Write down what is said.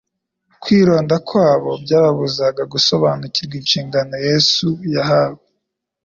Kwironda kwabo, byababuzaga gusobariukirwa inshingano Yesu yahawe